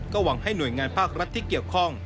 หวังให้หน่วยงานภาครัฐที่เกี่ยวข้อง